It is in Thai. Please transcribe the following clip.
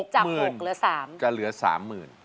จาก๖เหลือ๓จะเหลือ๓๐๐๐บาท